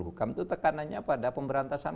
hukum itu tekanannya pada pemberantasan